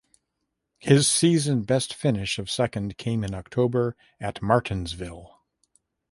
His season best finish of second came in October at Martinsville.